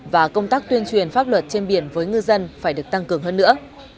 và công tác tuyên truyền pháp luật trên biển với ngư dân phải được tăng cường hơn nữa